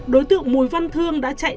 đối tượng mùi văn thương đã chạy xe